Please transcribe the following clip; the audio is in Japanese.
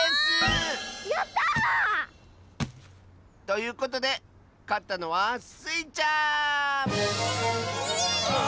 ああやった！ということでかったのはスイちゃん！